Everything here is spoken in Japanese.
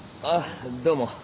あっどうも。